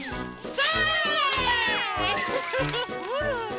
それ。